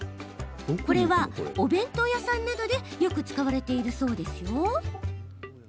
お弁当屋さんなどでよく使われているそうですよ。